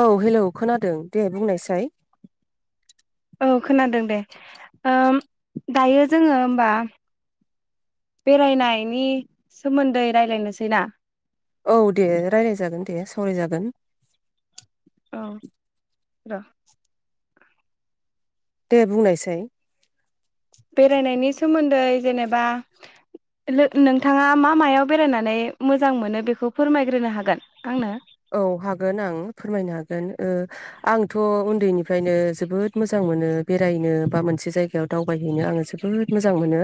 औ हेलौ खोनादों दे बुंनायसाय औ खोनादों दे दायो जोङो होमबा बेरायनायनि सोमोन्दै रायज्लायनोसै ना औ दे राय्लाय जागोन दे सावरायजागोन औ र दे बुंनायसै बेरायनायनि सोमोन्दै जेनेबा नोंथाङा मा मायाव बेरायनानै मोजां मोनो बेखौ फोरमायग्रोनो हागोन आंनो औ हागोन आं फोरमायनो हागोन आंथउन्दैनिफ्रायनो जोबोद मोजां मोनो बेरायनो बा मोनसे जायगायाव दावबायहैनो आङो जोबोद मोजां मोनो।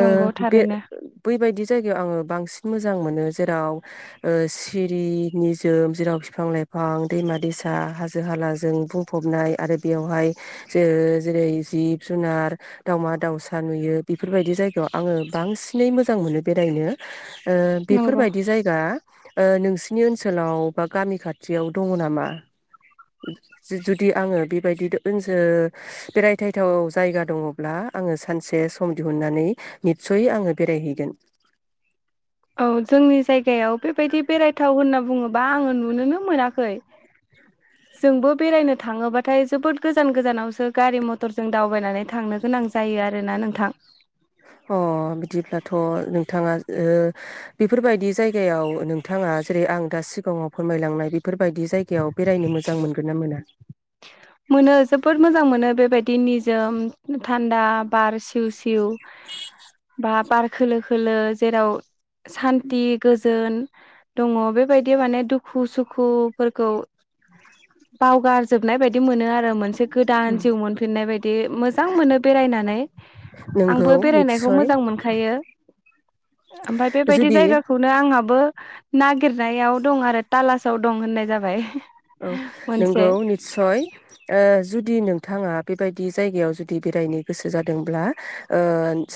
नंगौ बे थारैनो बैबायदि जायगायाव आङो बांसिन मोजां मोनो जेराव ओ सिरि निजोम जेराव बिफां लाइफां दैमा दैसा हाजो हालाजों बुंफबनाय आरो बेवहाय ज जेरै जिब जुनार दाावमा दाउसा नुयो बेफोरबायदि जायगायाव आङो बांसिनै मोजां मोनो बेरायनो ओ नंगौ बेफोरबायदि जायगा ओ नोंसि नि ओनसोलाव बा गामि खाथियाव दङ नामा जुदि आङो बेबायदि ओनस बेरायथायथाव जायगा दङब्ला आङो सानसे सम दिहुनन्नानै नितसयै आङो बेरायहैगोन औ जोंनि जायगायाव बेबायदि बेरायथाव होनना बुङोबा आङो नुनोनो मोनाखै जोंबो बेरायनो थाङोबाथाय जोबोद गोजान गोजानावसो गारि मथरजों दावबायनानै थांनो गोनां जायो आरोना नोंथां अ बिदिब्लाथ' नोंथाङा बेफोरबायदि जायगायाव नोंथाङा जेरै आं दा सिगाङाव फोरमायलांनाय बेफोरबायदि जायगायाव बेरायनो मोजां मोनगोन ना मोना? मोनो जोबोद मोजां मोनो बेबायदि निजोम थान्दा बार सिउ सिउ बा बार खोलो खोलो जेराव सान्थि गोजोन दङ बेबायदि माने दुखु सुखुफोरखौ बावगार जोबनाय बायदि मोनो आरो आरो मोनसे गोदान जिउ मोनफिननाय बायदि मोजां मोनो बेरायनानै नोंगौ आंबो बेरायनायखौ निस्सय मोजां मोनखायो ओमफफ्राय बेबायदि जुदि जायगाखौनो आंहाबो नागिरनायाव दं आरो तालासाव दं होननाय जाबाय औ मोनसे नोंगौ निससय ओ जुदि नों बिथाङा बेबायदि जायगायाव जुदि बेरायनो गोसो जादोंब्ला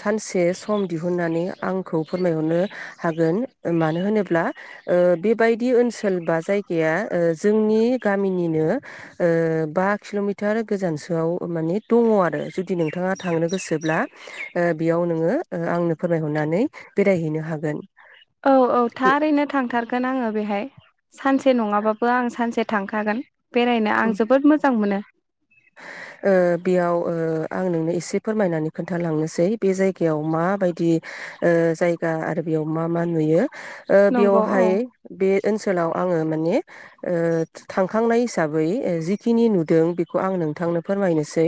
सानसे सम दिहुननानै आंखौ फोरमायहरनो हागोन मानो होनोब्ला बेबायदि ओनसोल बा जायगाया जोंनि गामिनिनो ओ बा किलमिटार गोजानसोआव माने दङ आरो जुदि नोंथाङा थांनो गोसोब्ला बेयाव नोङो आंनो फोरमायहरनानै बेरायहैनो हागोन औ औ बे थारैनो थांथारगोन आङो बेहाय सानसे नङाबाबो आं सानसे थांखागोन। बेरायनो उम आं जोबोद मोजां मोनो। बेयाव ओ आं नोंनो एसे फोरमायनानै खोन्थालांनोसै बे जायगायाव माबायदि ओ जायगा आरो बेयाव मा मा नुयो। ओ नंगौ औ बेवहाय बे ओनसोलाव आङो माने थांखांनाय हिसाबै जिखिनि नुदों बे खौ आं नोंथांनो फोरमायनोसै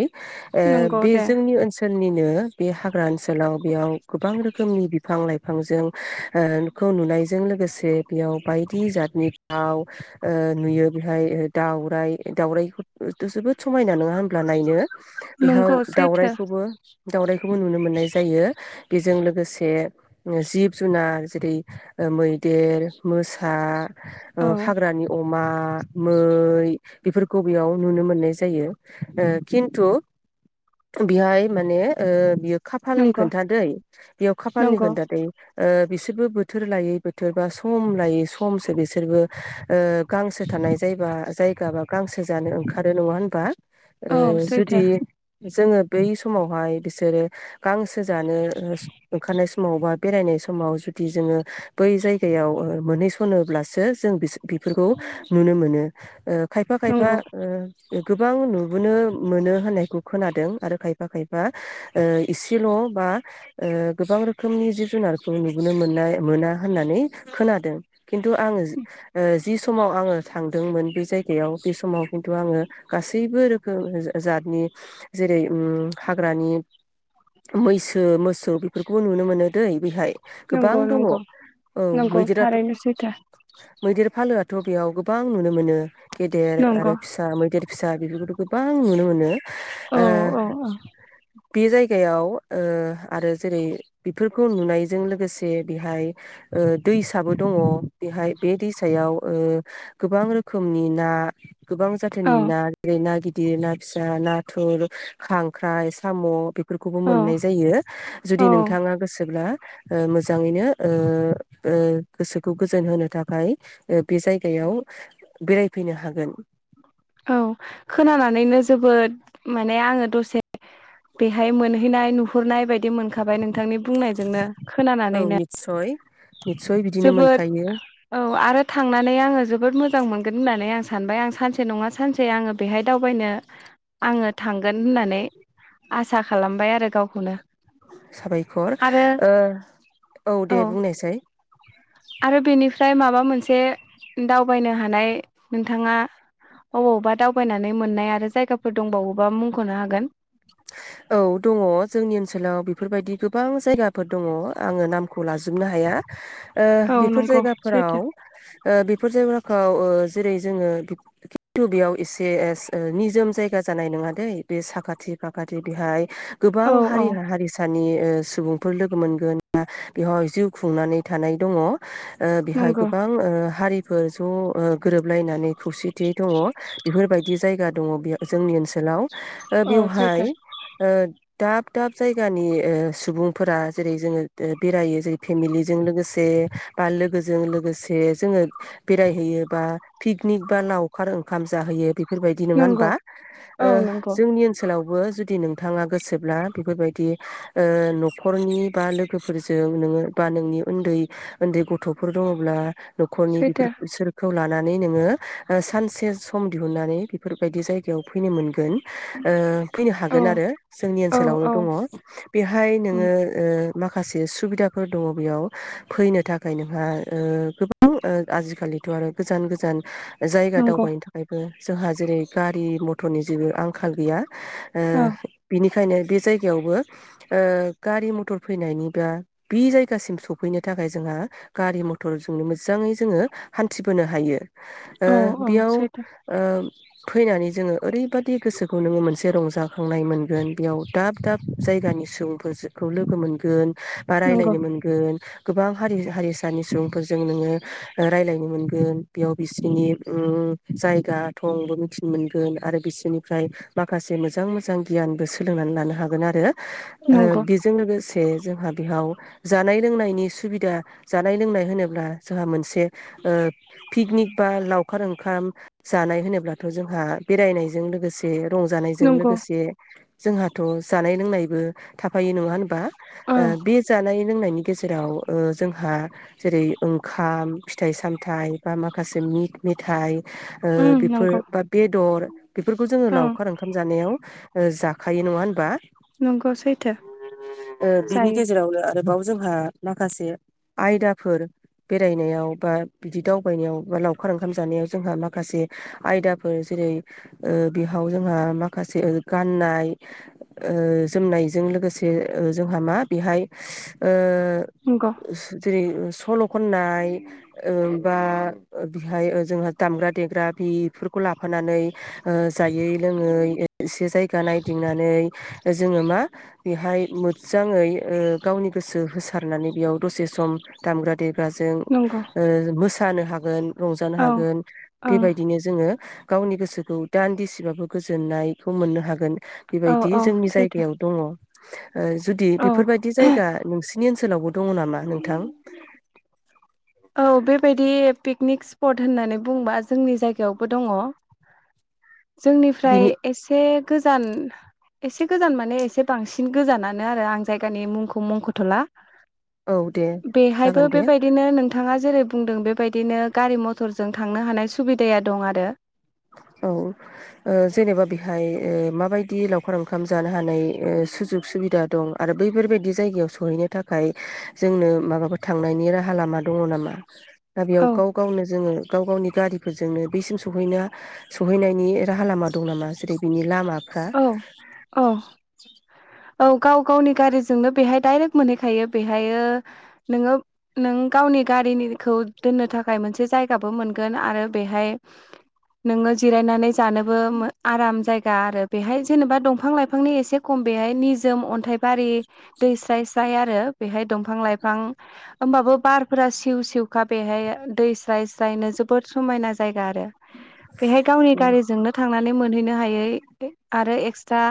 नंगौ बे दे जोंनि ओनसोलनि नो बे हाग्रा ओनसोलाव बेयाव गोबां रोखोमनि बिफां लाइफांजों ओ खौ नुनायजों लोगोसे बेयाव बायदि जातनि दाउ ओ नुयो बेहाय दाउराइ दाउरखौ जोबोद समायना नङा होनब्ला नायनो बेहाव नंगौ सैथो दावराइखौबो दावउरायइखौबो नुनो मोननाय जायो बेजों लोगोसे ओ जिब जुनार जेरै ओ मैदेर मोसा ओ औ हाग्रानि अमा आ मै बेफोरखौ बेयाव नुनो मोननाय जायो ओ खिन्थु बेहाय माने ओ बियो खाफालनि नंगौ खोन्थादै बेयाव खाफालनि नंगौ खोन्था थायो ओ बिसोरबो बोथोर लायै बोथोर बा सम लायै समसो बिसोरबो ओ गांसो थानाय जायबा जायगा बा गांसो जानो ओंखा खारो नङा होनबा औ ओ सैथो जुदि जोङो बै समावहाय बिसोरो गांसो जानो ओंखारनाय समाव बा बेरायनाय समाव जुदि जोङो बै जायगायाव ओ मोनहैसनोब्लासो जों बिसो बेफोरखौ नुनो मोनो। खायफा खायफा नंगौ ओ गोबां नुबोनो मोनो होननायखौ खोनादों आरो खायफा खायफा ओ इसेल बा ओ गोबां रोखोमनि जिब जुनारखौ नुबोनो मोननाय मोना होननानै खोनादों खिन्थु आङो जि समाव आङो थांदोंमोन बे जायगायाव बे समाव खिन्थु आङो गासैबो रोखोम जा जातनि जेरै ओम हाग्रानि मैसो मोसौ बेफोरखौबो नुनो मोनो दै बेहाय गोबां नंगौ दङ औ नंगौ नंगौ मैदेराथ थारैनो सैथो मैदेर फालोआथ थ बेयाव गोबां नुनो मोनो। गेदेर नंगौ आरो मैदेर फिसा बेफोरखौथ गोबां नुनो मोनो। औ ओ औ औ बे जायगायाव ओ आरो जेरै बेफोरखौ नुनायजों लोगोसे बेहाय ओ दैसाबो दङ। बेहाय बे दैसायाव ओ गोबां रोखोमनि ना गोबां जाथोनि औ ना जेरै ना गिद दिर ना फिसा नाथुर खांख्राय साम' बेफोरफोरखौबो औ मोननाय जायो जुदि औ नोंथाङा गोसोब्ला ओ मोजाङैनो ओ ओ गोसोखौ गोजोन होनो थाखाय ओ बे जायगायाव बेरायफैनो हागोन। औ खोनानानैनो जोबोद माने आङो दसे बेहाय मोनहैनाय नुहुरनाय बाय दि मोनखाबाय नोंथांनि बुंनायजोंनो औ खोनानानैनो निस्सय निस्सय बिदिनो जोबोद मोनखायो औ आरो थांनानै आङो जोबोद मोजां मोनगोन होननानै आं सानबाय आं सानसे नङा सानसे आङो बेहाय दावबायनो आङो थां थांगोन होननानै। आसा खालामबाय आरो गावखौनो। साबायखर आरो ओ औ दे बुंनायसै। आरो बेनिफ्राय माबा मोनसे दावबायनो हानाय नोंथाङा अबावबा दावबायनानै मोननाय आरो जायगाफोर दंबावावबा मुंखनो हागोन। औ दङ जोंनि ओनसोलाव बेफोरबायदि गोबां जायगाफोर दङ आङो नामखौ लाजोबनो हाया ओ औ बेफोर नंगौ जायगाफोराव सैथो ओ बेफोर जायगाखौ जेरै जोङो खिन्थु बेयाव एसे निजोम जायगा जानाय नङा दै बे साखाथि फाखाथि बेहाय गोबां औ औ हारि हारिसानि ओ सुबुंफोर लोगो मोनगोना बेहाय जिउ खुंनानै थानाय दङ। बेहाय नंगौ गोबां ओ हारि फोर ज गोरोबलायनानै। खौसेथियै दङ बेफोरबायदि जायगा दङ बे जोंनि ओनसोलाव। औ बेयाव सैथो हाय ओ दाब दाब जायगानि ओ सुबुंफोरा जेरै जोङो बेरायो जेरै फेमिलिजों लोगोसे बा लोगोजों लोगोसे जोङो बेरायहैयो बा पिकनिक बा लावखार ओंखाम जाहैयो। बेफोरबायदि नङा नंगौ होनबा ओ औ नंगौ जोंनि ओनसो लावबो जुदि नोंथाङा गोसोब्ला बेफोरबायदि नखरनि बा लोगोफोरजों नोङो बा नोंनि उन्दै उन्दै गथफोर दङब्ला नखरनि सैथो बिसोरखौ लानानै। नोङो सानसे सम दिहुननानै बेफोरबायदि जायगायाव फैनो मोनगोन। ओ फैनो औ हागोन आरो जोंनि औ ओनसोलावनो औ दङ बेहाय नोङो माखासे सुबिदाफोर दङ बेयाव फैनो थाखाय नोंहा ओ गोबां आजिखालिथ आरो गोजान गोजान जायगा नंगौ दावबायनो थाखायबो जोंहा जेरै गारि मथरनि जेबो आंखाल। गैया। ओ औ बिनि खायनो बे जायगायावबो ओ गारि मथर फैनायनि बा बि जायगासिम सफैनो थाखाय जोंहा गारि मथरजोंनो मोजाङै जोङो हान्थिबोनो हायो। ओ औ औ बेयाव सैथो ओ फैनानै जोङो ओरैबायदि गोसो खौ नोङो मोनसे रंजाखांनाय मोनगोन बेयाव दाब दाब जायगानि सुबुंफोरखौ लोगो मोनगोन बा नंगौ रायलायनो मोनगोन गोबां हारि हारिसानि सुबुंफोरजों नोङो रायलायनो मोनगोन बेयाव बिसोरनि जायगा थंबो मिथिनो मोनगोन आरो बिसोरनि ओमफ्राय माखासे मोजां मोजां गियानबो सोलोंनानै लानो हागोन आरो नंगौ बेजों लोगोसे जोंहा बेयाव जानाय लोंनायनि सुबिदा जानाय लोंनाय होनोब्ला जोंहा मोनसे पिकनिक बा लावखार ओंखाम जानाय होनोब्लाथ जोंहा बेरायनायजों लोगोसे [unintelligible] रंजानायजों नंगौ लोगोसे जोंहाथ जानाय लोंनायबो थाफायो नङा होनबा औ बे जानाय लोंनायनि गेजेराव जोंहा जेरै ओंखाम फिथाइ सामथाइ बा माखासे मिग मेथाइ ओ उम बेफोर नंगौ बा बेदर बेफोर खौ जोङो औ लावखार ओंखाम जानायाव जाखायो नङा होनबा नंगौ सैथो बिनि जायो गेजेरावनो आरो आव जोंहा माखासे आयदाफोर बेरायनायाव बा बिदि दावबायनायाव बा लावखार ओंखाम जानायाव जोंहा माखासे आयदाफोर जेरै ओ बेहाव जोंहा माखासे ओ गाननाय जोमनायजों लोगोसे जोंहा मा बेहाय ओ नंगौ जेरै सलखननाय बा बेहाय ओ जोंहा दामग्रा देग्रा बेफोरखौ लाफानानै जायै लोङै एसे जायगा नायदिंनानै जोङो मा बेहाय मोजाङै गावनि गोसो होसारनानै बेयाव दसे सम दामग्रा दे दा जों नंगौ ओ मोसानो हाग [inaudible] रंजानो औ हागोन ओं बेबायदिनो जोङो गावनि गोसोखौ दान्दिसेबाबो गोजोननायखौ मोननो हागोन औ बेबायदि औ जोंनि सैथो जायगायाव दङ [inaudible] जुदि औ बेफोरबायदि जायगा नोंसिनि ओनसोल ओनसोलावबो दङ नामा नोंथां औ बे बेबायदि पिकनिक स्पट होननानै बुंङोबा जोंनि जायगायावबो दङ जोंनिफ्राय बिनि एसे गोजान एसे गोजान माने एसे बांसिन गोजानानो आरो आं जायगानि मुंखौ मुंखथला औ दे बेहायबो जागोन दे बेबायदिनो नो दा जेरै बुंदों बेबायदिनो गारि मथरजों थांनो हानाय सुबिदाया दं आरो औ ओ जेनेबा बेहाय ओ माबायदि लावखार ओंखाम जानो हानाय ओ सुजुग सुबिदा दं आरो बैफोरबायदि जायगायाव सहैनो थाखाय जोंनो माबाफोर थांनायनि राहा लामा दङ नामा? दा बेयाव औ गाव गावनो जोङो गाव गावनि गारिफोरजोंनो बेसिम सौहैनो सौहैनायनि राहा लामा दं नामा जेरै बिनि लामा हा? औ औ औ गाव गावनि गारिजोंनो बेहाय दाइरेक्ट मोनहैखायो बेहायो नोङो नों गावनि गारिनिखौ दोननो थाखाय मोनसे जायगाबो मोनगोन आरो बेहाय नोङो जिरायनानै जानोबो आराम जायगा आरो बेहाय जेनेबा दंफां लाइफांनि एसे खम बेहाय निजोम अन्थाइबारि दै स्राय साया आरो बेहाय दंफां लाइफां होमबाबो बारफोरा सिउ सिउखा बेहाय दै स्राय स्रायनो जोबोद समायना जायगा आरो बेहाय गावनि गारिजोंनो थांनानै मोनहैनो नो हायै आरो एक्सट्रा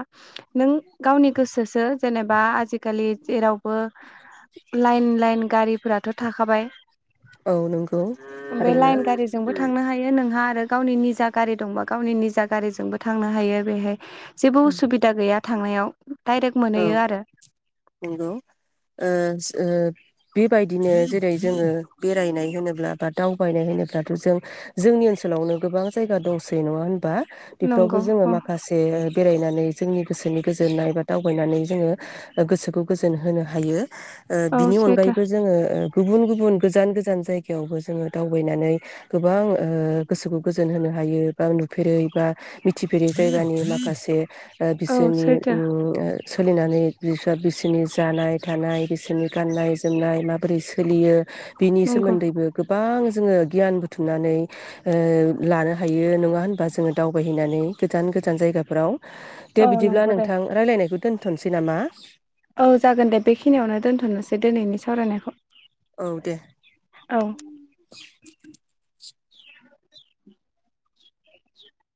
नों गावनि गोसोसो जेनेबा आजिखालि जेरावबो लाइन लाइन गारिफोराथ' थाखाबाय। औ नंगौ बे थारैनो लाइन गारिजोंबो थांनो हायो नोंहा आ आरो गावनि निजा गारि दंबा गावनि निजा गारिजोंबो थांनो हायो बेहाय जेबो उसुबिदा गैया। थांनायाव डाइरेक्ट औ मोनहैयो आरो नंगौ ओ ओ बेबायदिनो जेरै जोङो बेरायनाय होनोब्ला बा दावबायनाय होनोब्लाथ' जों जोंनि ओनसोलावनो गोबां जायगा दंसै नङा होनबा बेफोरावबो नंगौ जोङो औ माखासे बेरायनानै जोंनि गोसोनि गोजोननाय बा दावबायनानै जोङो गोसोखौ गोजोन होनो हायो। ओ औ बिनि सैथो अनगायैबो जोङो गुबुन गुबुन गोजान गोजान जायगायावबो जोङो दावबायनानै गोबां ओ गोसोखौ गोजोन होनो हायो बा नुफेरै बा मिथिफेरै जायगानि माखासे ओ औ बिसोरनि सैथो सोलिनानै बिसा बिसोरनि जानाय थानाय बिसोरनि गाननाय जोमनाय माबोरै सोलियो? बिनि नंगौ सोमोन्दैबो गोबां जोङो गियान बुथुमनानै ओ लानो हायो नङा होनबा जोङो दावबायहैनानै गोजान गोजान जायगाफोराव। दे औ बिदिब्ला नंगौ दे नोंथां रायलायनायखौ खौ दोनथ'नोसै नामा? औ जागोन दे बेखिनियावनो दोनथ'नोसै दोनैनि सावरायनायखौ। औ दे। औ [unintelligible] [unintelligible]